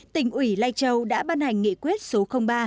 tỉnh ủy lai châu đã ban hành nghị quyết số ba